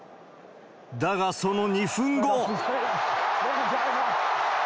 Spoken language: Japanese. だが、その２分後。